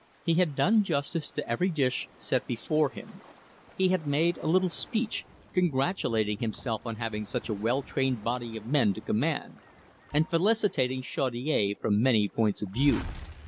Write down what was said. He had done justice to every dish set before him; he had made a little speech, congratulating himself on having such a well trained body of men to command, and felicitating Chaudiere from many points of view.